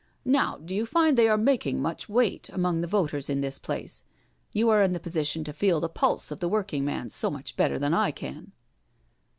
Now, do you find they are making much weight among the voters in this place? You are in the position to feel the pulse of the working man so much better than I can."